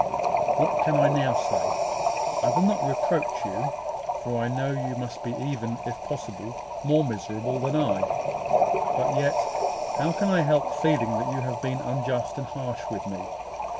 What can I now say? I will not reproach you, for I know you must be even, if possible, more miserable than I: but yet, how can I help feeling that you have been unjust and harsh with me?